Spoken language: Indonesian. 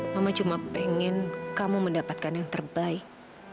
mama cuma pengen kamu mendapatkan yang terbaik